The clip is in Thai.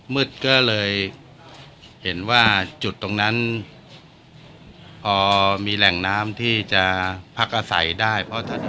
มืดก็เลยเห็นว่าจุดตรงนั้นพอมีแหล่งน้ำที่จะพักอาศัยได้เพราะท่าน